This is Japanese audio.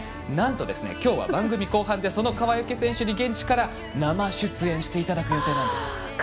なんと、きょうは番組後半でその川除選手に現地から生出演していただく予定なんです。